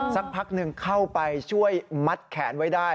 สักพักหนึ่งเข้าไปช่วยมัดแขนไว้ได้